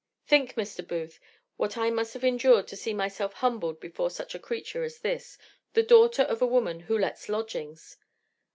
"Think, Mr. Booth, what I must have endured to see myself humbled before such a creature as this, the daughter of a woman who lets lodgings!